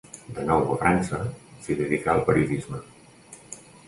De nou a França s'hi dedicà al periodisme.